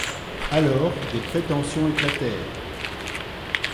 Alors des prétentions éclatèrent.